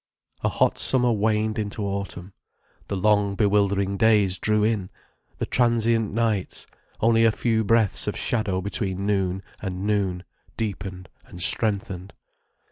A hot summer waned into autumn, the long, bewildering days drew in, the transient nights, only a few breaths of shadow between noon and noon, deepened and strengthened.